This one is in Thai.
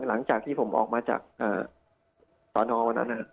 หลังจากที่ผมออกมาจากสอนอวันนั้น